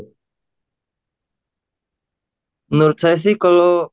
menurut saya sih kalau